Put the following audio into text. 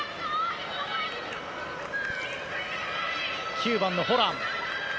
９番のホラン。